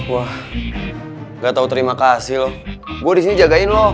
wah gak tau terima kasih loh gue disini jagain loh